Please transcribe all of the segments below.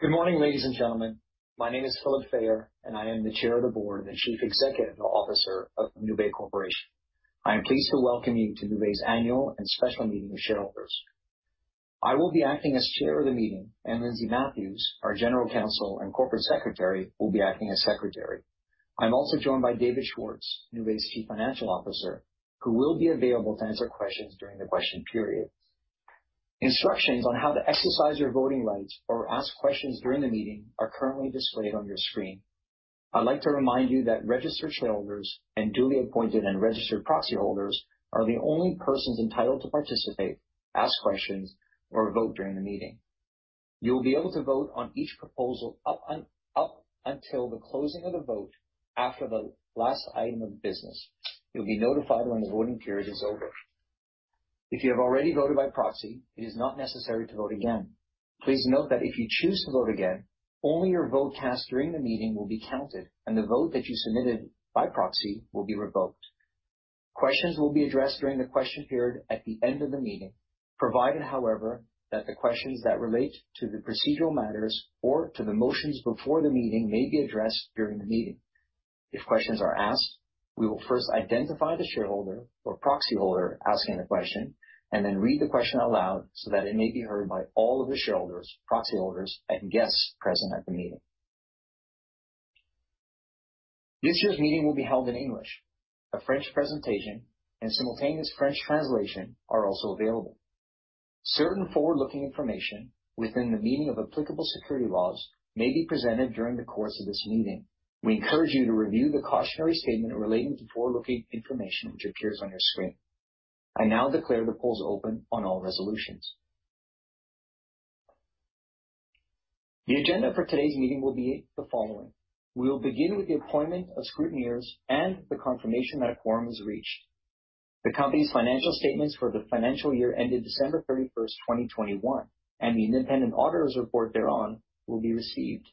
Good morning, ladies and gentlemen. My name is Philip Fayer, and I am the Chair of the Board and Chief Executive Officer of Nuvei Corporation. I am pleased to welcome you to Nuvei's annual and special meeting of shareholders. I will be acting as chair of the meeting, and Lindsay Matthews, our general counsel and corporate secretary, will be acting as secretary. I'm also joined by David Schwartz, Nuvei's chief financial officer, who will be available to answer questions during the question period. Instructions on how to exercise your voting rights or ask questions during the meeting are currently displayed on your screen. I'd like to remind you that registered shareholders and duly appointed and registered proxy holders are the only persons entitled to participate, ask questions, or vote during the meeting. You will be able to vote on each proposal up until the closing of the vote after the last item of business. You'll be notified when the voting period is over. If you have already voted by proxy, it is not necessary to vote again. Please note that if you choose to vote again, only your vote cast during the meeting will be counted, and the vote that you submitted by proxy will be revoked. Questions will be addressed during the question period at the end of the meeting, provided, however, that the questions that relate to the procedural matters or to the motions before the meeting may be addressed during the meeting. If questions are asked, we will first identify the shareholder or proxy holder asking the question and then read the question out loud so that it may be heard by all of the shareholders, proxy holders, and guests present at the meeting. This year's meeting will be held in English. A French presentation and simultaneous French translation are also available. Certain forward-looking information within the meaning of applicable securities laws may be presented during the course of this meeting. We encourage you to review the cautionary statement relating to forward-looking information, which appears on your screen. I now declare the polls open on all resolutions. The agenda for today's meeting will be the following. We will begin with the appointment of scrutineers and the confirmation that a quorum is reached. The company's financial statements for the financial year ended December 31st, 2021, and the independent auditor's report thereon will be received.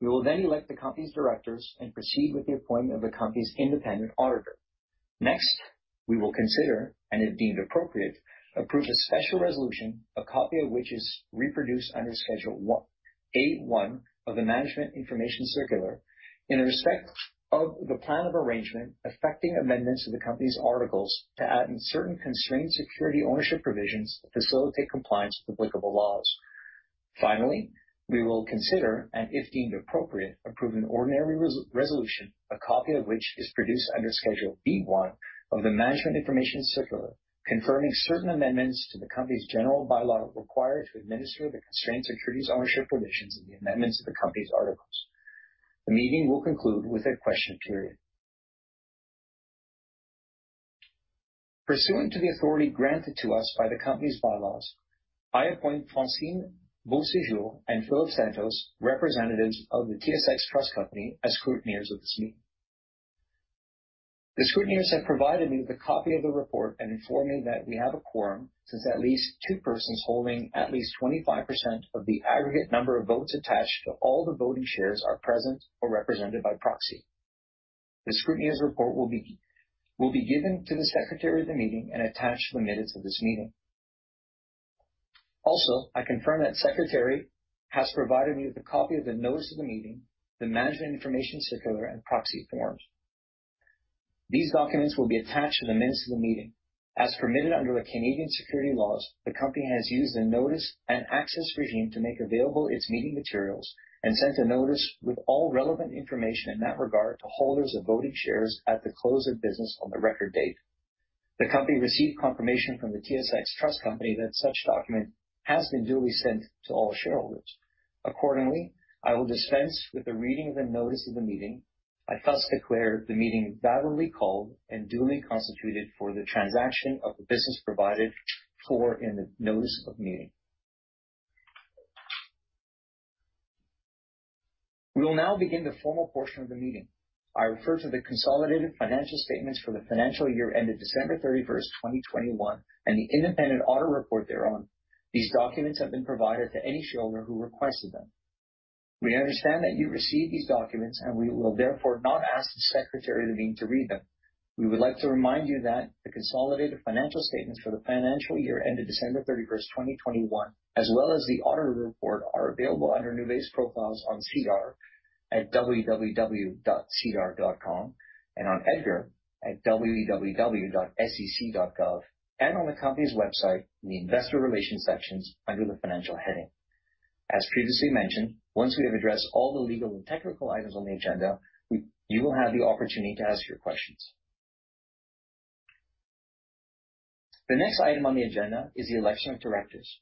We will then elect the company's directors and proceed with the appointment of the company's independent auditor. Next, we will consider, and if deemed appropriate, approve a special resolution, a copy of which is reproduced under Schedule 1-A1 of the Management Information Circular in respect of the Plan of Arrangement affecting amendments to the company's articles to add in certain constrained security ownership provisions to facilitate compliance with applicable laws. Finally, we will consider, and if deemed appropriate, approve an ordinary resolution, a copy of which is produced under Schedule B1 of the Management Information Circular, confirming certain amendments to the company's General Bylaw required to administer the constrained securities ownership provisions and the amendments to the company's articles. The meeting will conclude with a question period. Pursuant to the authority granted to us by the company's bylaws, I appoint Francine Beaulieu and Philip Santos, representatives of the TSX Trust Company, as scrutineers of this meeting. The scrutineers have provided me with a copy of the report and informed me that we have a quorum since at least two persons holding at least 25% of the aggregate number of votes attached to all the voting shares are present or represented by proxy. The scrutineer's report will be given to the secretary of the meeting and attached to the minutes of this meeting. Also, I confirm that the secretary has provided me with a copy of the notice of the meeting, the Management Information Circular and proxy forms. These documents will be attached to the minutes of the meeting. As permitted under the Canadian securities laws, the company has used the notice and access regime to make available its meeting materials and sent a notice with all relevant information in that regard to holders of voting shares at the close of business on the record date. The company received confirmation from the TSX Trust Company that such document has been duly sent to all shareholders. Accordingly, I will dispense with the reading of the notice of the meeting. I thus declare the meeting validly called and duly constituted for the transaction of the business provided for in the notice of meeting. We will now begin the formal portion of the meeting. I refer to the consolidated financial statements for the financial year ended December 31st, 2021, and the independent auditor report thereon. These documents have been provided to any shareholder who requested them. We understand that you received these documents, and we will therefore not ask the secretary of the meeting to read them. We would like to remind you that the consolidated financial statements for the financial year ended December 31st, 2021, as well as the auditor report, are available under Nuvei's profiles on SEDAR at www.sedar.com and on EDGAR at www.sec.gov and on the company's website in the Investor Relations sections under the Financial heading. As previously mentioned, once we have addressed all the legal and technical items on the agenda, you will have the opportunity to ask your questions. The next item on the agenda is the election of directors.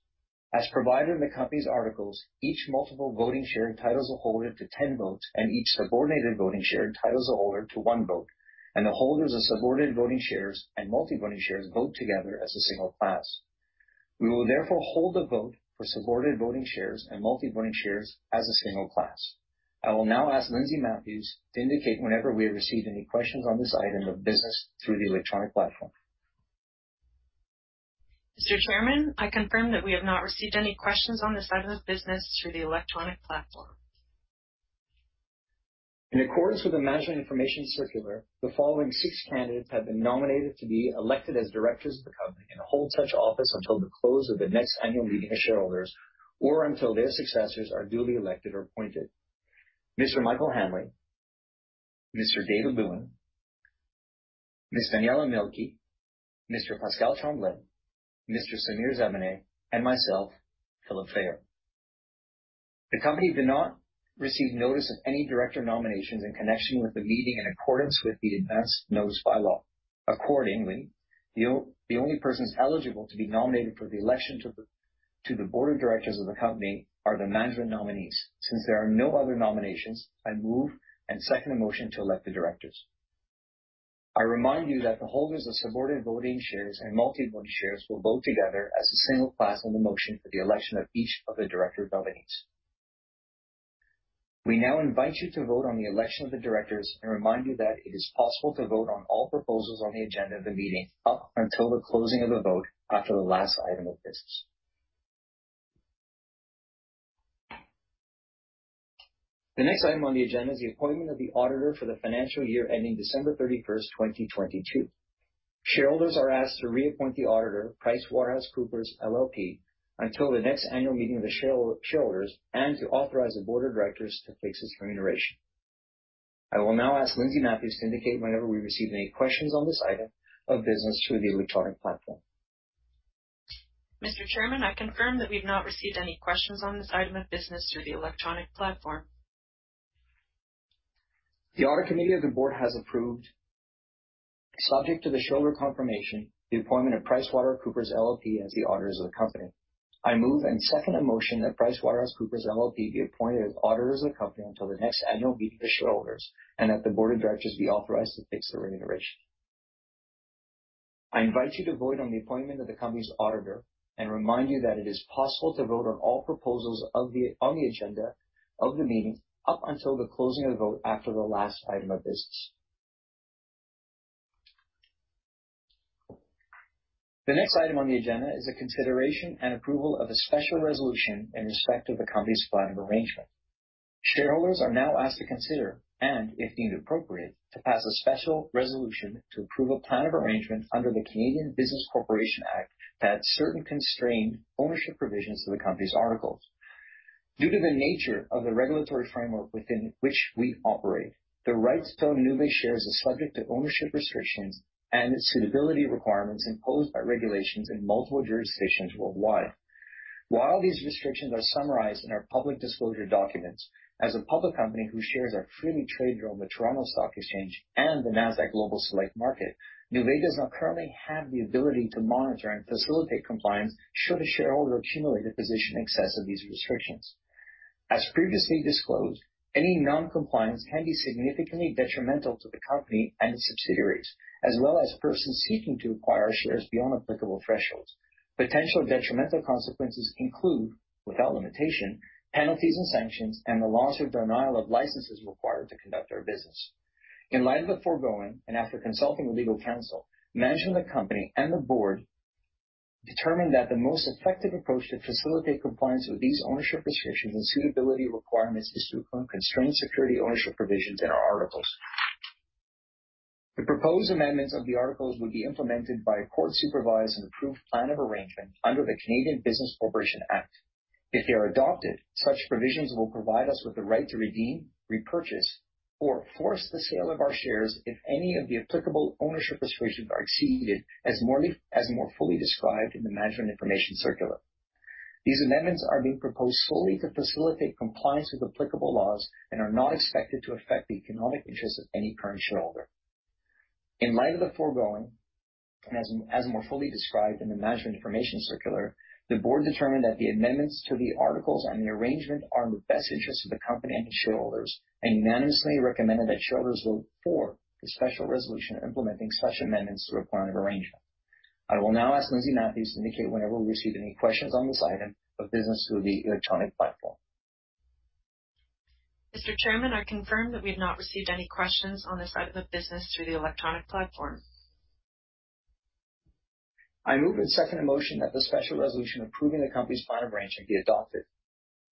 As provided in the company's articles, each Multiple Voting Share entitles the holder to ten votes, and each Subordinate Voting Share entitles the holder to one vote, and the holders of Subordinate Voting Shares and Multiple Voting Shares vote together as a single class. We will therefore hold the vote for Subordinate Voting Shares and Multiple Voting Shares as a single class. I will now ask Lindsay Matthews to indicate whenever we have received any questions on this item of business through the electronic platform. Mr. Chairman, I confirm that we have not received any questions on this item of business through the electronic platform. ...In accordance with the Management Information Circular, the following six candidates have been nominated to be elected as directors of the company and hold such office until the close of the next annual meeting of shareholders, or until their successors are duly elected or appointed. Mr. Michael Hanley, Mr. David Schwartz, Ms. Daniela Mielke, Mr. Pascal Tremblay, Mr. Samir Zabaneh, and myself, Philip Fayer. The company did not receive notice of any director nominations in connection with the meeting in accordance with the Advance Notice Bylaw. Accordingly, the only persons eligible to be nominated for the election to the Board of Directors of the company are the management nominees. Since there are no other nominations, I move and second the motion to elect the directors. I remind you that the holders of Subordinate Voting Shares and multi-voting shares will vote together as a single class on the motion for the election of each of the director nominees. We now invite you to vote on the election of the directors and remind you that it is possible to vote on all proposals on the agenda of the meeting up until the closing of the vote after the last item of business. The next item on the agenda is the appointment of the auditor for the financial year ending December 31st, 2022. Shareholders are asked to reappoint the auditor, PricewaterhouseCoopers LLP, until the next annual meeting of the shareholders, and to authorize the Board of Directors to fix his remuneration. I will now ask Lindsay Matthews to indicate whenever we receive any questions on this item of business through the electronic platform. Mr. Chairman, I confirm that we've not received any questions on this item of business through the electronic platform. The Audit Committee of the board has approved, subject to the shareholder confirmation, the appointment of PricewaterhouseCoopers LLP as the auditors of the company. I move and second a motion that PricewaterhouseCoopers LLP be appointed as auditors of the company until the next annual meeting of shareholders, and that the Board of Directors be authorized to fix the remuneration. I invite you to vote on the appointment of the company's auditor and remind you that it is possible to vote on all proposals on the agenda of the meeting, up until the closing of the vote after the last item of business. The next item on the agenda is a consideration and approval of a special resolution in respect of the company's Plan of Arrangement. Shareholders are now asked to consider, and if deemed appropriate, to pass a special resolution to approve a Plan of Arrangement under the Canada Business Corporations Act, that certain constrained ownership provisions to the company's articles. Due to the nature of the regulatory framework within which we operate, the rights to own Nuvei shares is subject to ownership restrictions and suitability requirements imposed by regulations in multiple jurisdictions worldwide. While these restrictions are summarized in our public disclosure documents, as a public company whose shares are freely tradable on the Toronto Stock Exchange and the Nasdaq Global Select Market, Nuvei does not currently have the ability to monitor and facilitate compliance should a shareholder accumulate a position in excess of these restrictions. As previously disclosed, any non-compliance can be significantly detrimental to the company and its subsidiaries, as well as persons seeking to acquire shares beyond applicable thresholds. Potential detrimental consequences include, without limitation, penalties and sanctions and the loss or denial of licenses required to conduct our business. In light of the foregoing, and after consulting with legal counsel, management of the company and the board determined that the most effective approach to facilitate compliance with these ownership restrictions and suitability requirements is to implement constrained security ownership provisions in our articles. The proposed amendments of the articles would be implemented by a court-supervised and approved Plan of Arrangement under the Canada Business Corporations Act. If they are adopted, such provisions will provide us with the right to redeem, repurchase, or force the sale of our shares if any of the applicable ownership restrictions are exceeded, as more fully described in the Management Information Circular. These amendments are being proposed solely to facilitate compliance with applicable laws and are not expected to affect the economic interests of any current shareholder. In light of the foregoing, and as more fully described in the Management Information Circular, the board determined that the amendments to the articles on the arrangement are in the best interests of the company and its shareholders, and unanimously recommended that shareholders vote for the special resolution implementing such amendments to our Plan of Arrangement. I will now ask Lindsay Matthews to indicate whenever we receive any questions on this item of business through the electronic platform. Mr. Chairman, I confirm that we've not received any questions on this item of business through the electronic platform. I move and second the motion that the special resolution approving the company's Plan of Arrangement be adopted.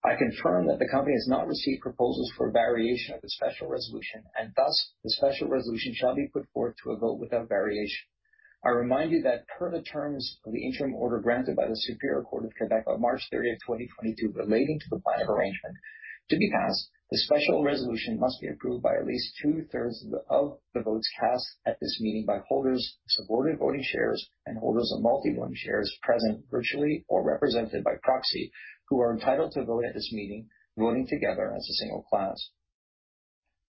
I confirm that the company has not received proposals for variation of the special resolution, and thus the special resolution shall be put forward to a vote without variation. I remind you that per the terms of the interim order granted by the Superior Court of Quebec on March 30th, 2022, relating to the Plan of Arrangement, to be passed, the special resolution must be approved by at least two-thirds of the votes cast at this meeting by holders of Subordinate Voting Shares and holders of Multiple Voting Shares present, virtually or represented by proxy, who are entitled to vote at this meeting, voting together as a single class.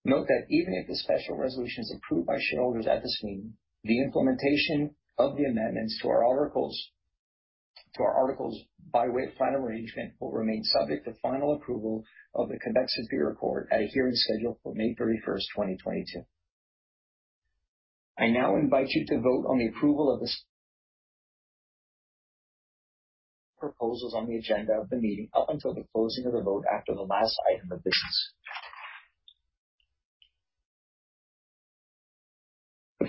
Note that even if the special resolution is approved by shareholders at this meeting, the implementation of the amendments to our articles, to our articles by way of plan arrangement, will remain subject to final approval of the Quebec Superior Court at a hearing scheduled for May 31st, 2022. I now invite you to vote on the approval of the proposals on the agenda of the meeting up until the closing of the vote after the last item of business.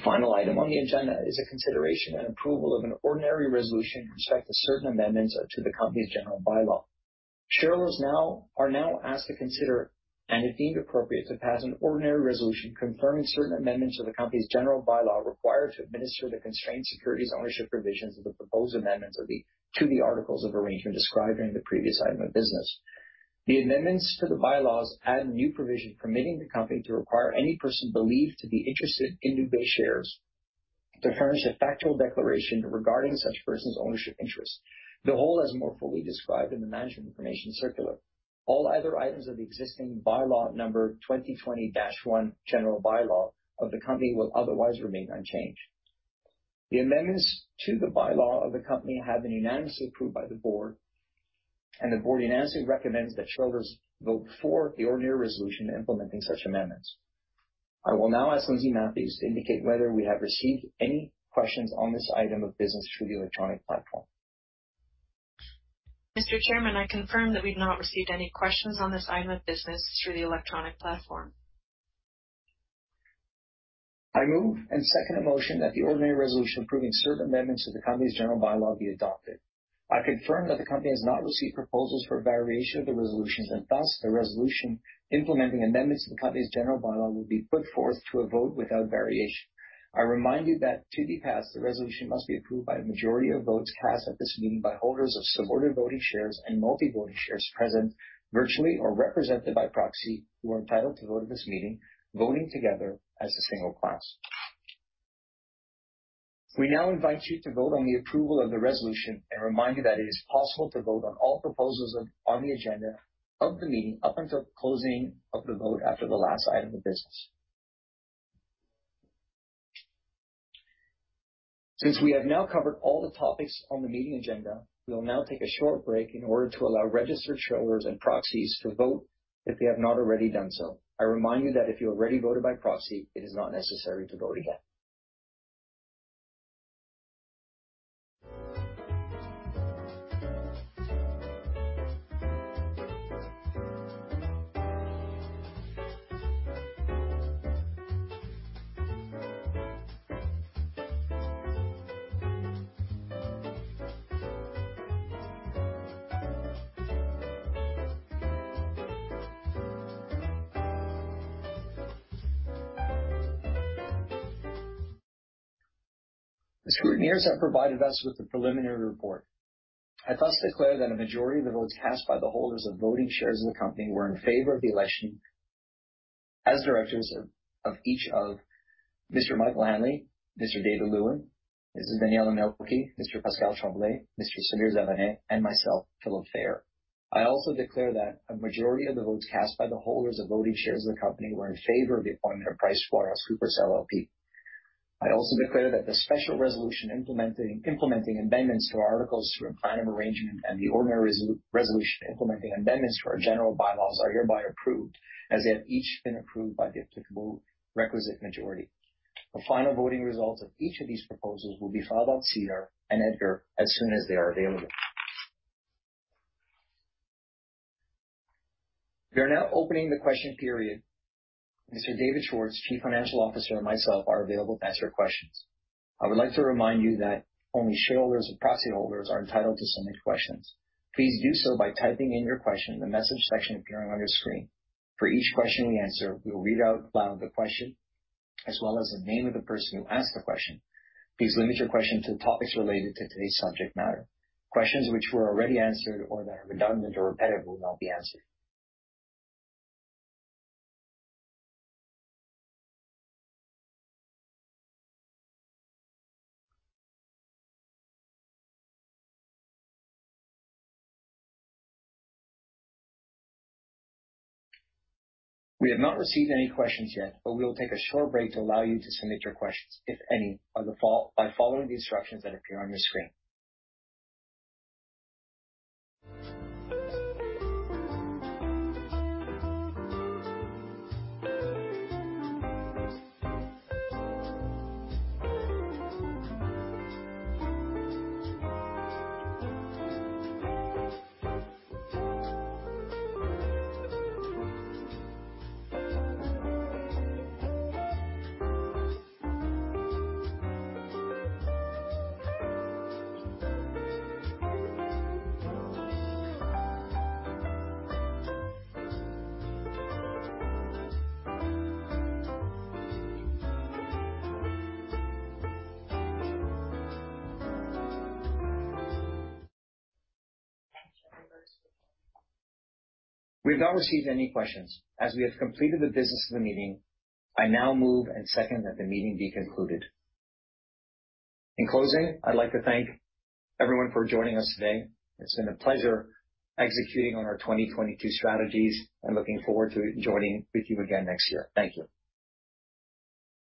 The final item on the agenda is a consideration and approval of an ordinary resolution in respect to certain amendments to the company's General Bylaw. Shareholders are now asked to consider, and if deemed appropriate, to pass an ordinary resolution confirming certain amendments to the company's General Bylaw required to administer the constrained securities ownership provisions of the proposed amendments to the articles of arrangement described during the previous item of business. The amendments to the bylaws add a new provision permitting the company to require any person believed to be interested in Nuvei shares to furnish a factual declaration regarding such person's ownership interest, as more fully described in the Management Information Circular. All other items of the existing Bylaw Number 2021, General Bylaw of the company, will otherwise remain unchanged. The amendments to the bylaw of the company have been unanimously approved by the board, and the board unanimously recommends that shareholders vote for the ordinary resolution implementing such amendments. I will now ask Lindsay Matthews to indicate whether we have received any questions on this item of business through the electronic platform. Mr. Chairman, I confirm that we've not received any questions on this item of business through the electronic platform. I move and second a motion that the ordinary resolution approving certain amendments to the company's General Bylaw be adopted. I confirm that the company has not received proposals for a variation of the resolutions, and thus the resolution implementing amendments to the company's General Bylaw will be put forth to a vote without variation. I remind you that to be passed, the resolution must be approved by a majority of votes cast at this meeting by holders of Subordinate Voting Shares and Multiple Voting Shares present, virtually or represented by proxy, who are entitled to vote at this meeting, voting together as a single class. We now invite you to vote on the approval of the resolution and remind you that it is possible to vote on all proposals on the agenda of the meeting, up until closing of the vote after the last item of business. Since we have now covered all the topics on the meeting agenda, we will now take a short break in order to allow registered shareholders and proxies to vote if they have not already done so. I remind you that if you already voted by proxy, it is not necessary to vote again. The scrutineers have provided us with the preliminary report. I thus declare that a majority of the votes cast by the holders of voting shares in the company were in favor of the election as directors of, of each of Mr. Michael Hanley, Mr. David Schwartz, Mrs. Daniela Mielke, Mr. Pascal Tremblay, Mr. Samir Zabaneh, and myself, Philip Fayer. I also declare that a majority of the votes cast by the holders of voting shares of the company were in favor of the appointment of PricewaterhouseCoopers LLP. I also declare that the special resolution implementing amendments to our articles through a Plan of Arrangement and the ordinary resolution implementing amendments to our General Bylaws are hereby approved as they have each been approved by the applicable requisite majority. The final voting results of each of these proposals will be filed on SEDAR and EDGAR as soon as they are available. We are now opening the question period. Mr. David Schwartz, Chief Financial Officer, and myself are available to answer your questions. I would like to remind you that only shareholders and proxy holders are entitled to submit questions. Please do so by typing in your question in the message section appearing on your screen. For each question we answer, we will read out loud the question as well as the name of the person who asked the question. Please limit your question to topics related to today's subject matter. Questions which were already answered or that are redundant or repetitive will not be answered. We have not received any questions yet, but we will take a short break to allow you to submit your questions, if any, by following the instructions that appear on your screen. We've not received any questions. As we have completed the business of the meeting, I now move and second that the meeting be concluded. In closing, I'd like to thank everyone for joining us today. It's been a pleasure executing on our 2022 strategies and looking forward to joining with you again next year. Thank you.